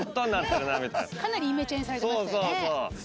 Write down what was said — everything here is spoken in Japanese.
かなりイメチェンされてましたよね。